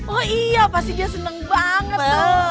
oh iya pasti dia seneng banget tuh